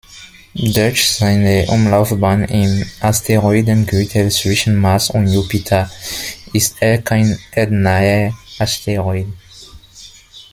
Durch seine Umlaufbahn im Asteroidengürtel zwischen Mars und Jupiter ist er kein erdnaher Asteroid.